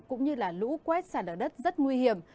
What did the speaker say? cũng như lũ quét sản lửa đất rất nguy hiểm